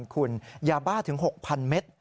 คุณยาบ้าถึง๖๐๐เมตร